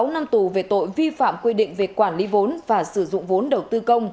sáu năm tù về tội vi phạm quy định về quản lý vốn và sử dụng vốn đầu tư công